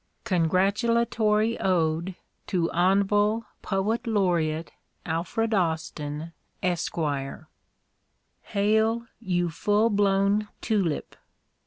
CONGRATULATORY ODE To Hon'ble Poet Laureate Alfred Austin, Esq. Hail! you full blown tulip!